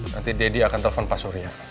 nanti deddy akan telpon pak surya